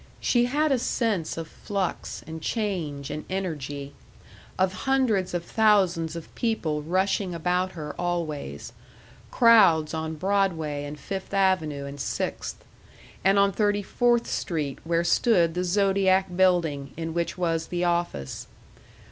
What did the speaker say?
She had a sense of flux, and change, and energy; of hundreds of thousands of people rushing about her always crowds on Broadway and Fifth Avenue and Sixth, and on Thirty fourth Street, where stood the Zodiac Building in which was the office.